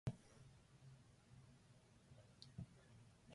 命短し恋せよ乙女